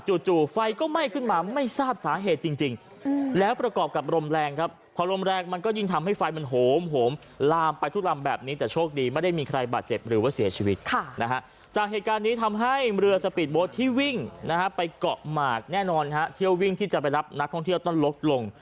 จากเหตุการณ์นี้ทำให้เมื่อสปีดโบ๊ทที่วิ่งไปเกาะหมากแน่นอนเที่ยววิ่งที่จะไปรับนักท่องเที่ยวต้นลดลง